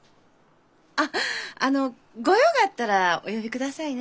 あっあの御用があったらお呼びくださいね。